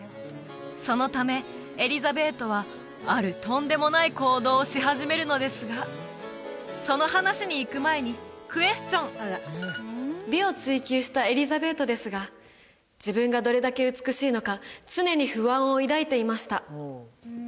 そのためエリザベートはあるとんでもない行動をし始めるのですがその話にいく前にクエスチョン美を追求したエリザベートですが自分がどれだけ美しいのか常に不安を抱いていました